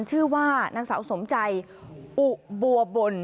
ชื่อว่านางสาวสมใจอุบัวบล